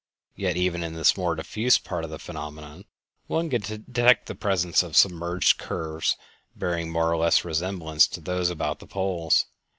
Yet even in this more diffuse part of the phenomenon one can detect the presence of submerged curves bearing more or less resemblance to those about the poles.